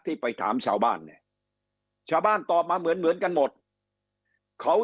ไปถามชาวบ้านเนี่ยชาวบ้านตอบมาเหมือนเหมือนกันหมดเขา